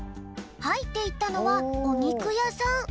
はいっていったのはおにくやさん。